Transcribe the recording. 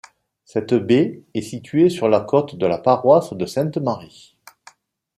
Cette baie est située sur la côte de la paroisse de Sainte-Marie.